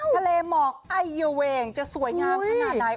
ทะเลหมอกไอเยอเวงจะสวยงามขนาดไหน